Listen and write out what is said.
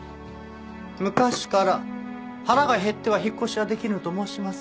昔から腹が減っては引っ越しはできぬと申しますから。